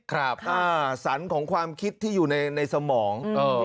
ครับสรรของความคิดที่อยู่ในสมอง